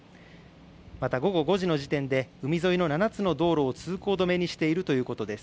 また午後５時の時点で海沿いの７つの道路を通行止めにしているということです。